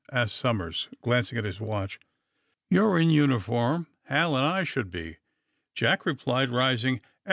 '' asked Somers, glancing at his watch. * ^You're in uniform; Hal and I should be/' Jack replied, rising.